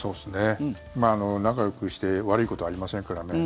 まあ仲よくして悪いことはありませんからね。